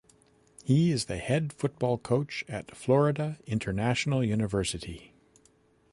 He is the head football coach at Florida International University.